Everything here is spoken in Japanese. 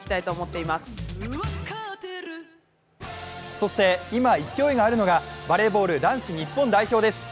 そして今、勢いがあるのがバレーボール男子日本代表です。